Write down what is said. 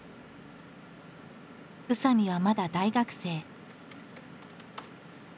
宇佐見はまだ大学生。